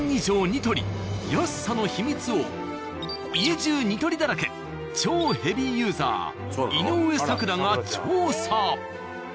「ニトリ」安さの秘密を家じゅう「ニトリ」だらけ超ヘビーユーザー井上咲楽が調査。